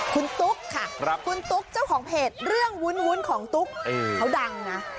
คุณตุ๊กค่ะคุณตุ๊กเจ้าของเพจเรื่องวุ้นของตุ๊กเขาดังนะ